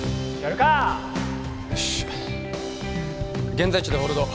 現在地でホールド。